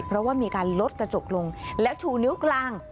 เพราะว่ามีการลดกระจกลงและชูนิ้วกลาง